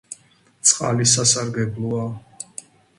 წყალი სასარგებლოა